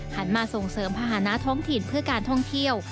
หันมาส่งเสริมภาษณะท้องถิ่นเพื่อการท่องเที่ยว